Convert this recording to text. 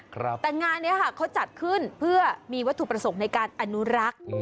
แต่งานนี้ค่ะเขาจัดขึ้นเพื่อมีวัตถุประสงค์ในการอนุรักษ์